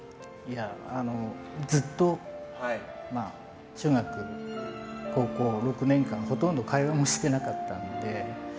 ずっと中学、高校６年間ほとんど会話もしてなかったので。